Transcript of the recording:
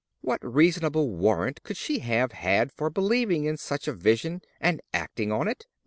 What reasonable warrant could she have had for believing in such a vision and acting on it?